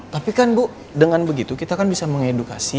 tapi kan bu dengan begitu kita kan bisa mengedukasi